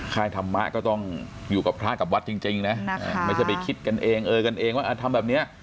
ค่ายธรรมะก็ต้องอยู่กับพระกับวัดจริงนะไม่ใช่ไปคิดกันเองเออกันเองว่าทำแบบนี้